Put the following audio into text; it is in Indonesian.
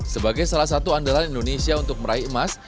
sebagai salah satu andalan indonesia untuk meraih emas